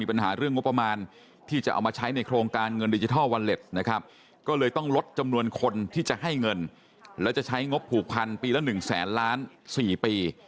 ผมยังไม่อยากให้ก่อฟังสับสนทางนั้นอยากจะตอบต้องตอบให้หมดนะครับ